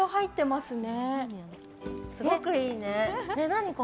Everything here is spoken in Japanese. すごくいいね。